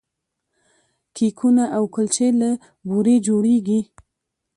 کیکونه او کلچې له بوري جوړیږي.